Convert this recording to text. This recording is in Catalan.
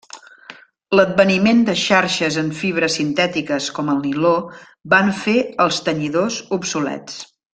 L'adveniment de xarxes en fibres sintètiques com el niló van fer els tenyidors obsolets.